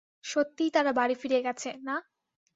সত্যিই তারা বাড়ি ফিরে গেছে, না?